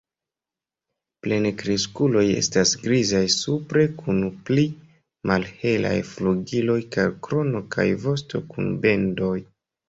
Plenkreskuloj estas grizaj supre kun pli malhelaj flugiloj kaj krono, kaj vosto kun bendoj.